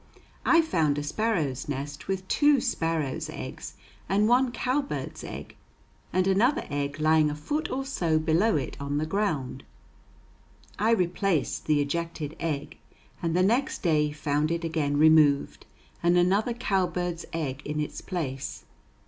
I found a sparrow's nest with two sparrow's eggs and one cowbird's egg, and another egg lying a foot or so below it on the ground. I replaced the ejected egg, and the next day found it again removed, and another cowbird's egg in its place.